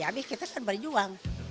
habis kita kan berjuang